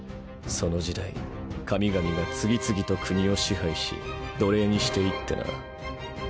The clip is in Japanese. その時代神々が次々と国を支配し奴隷にしていってな。